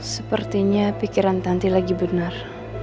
sepertinya pikiran tanti lagi benar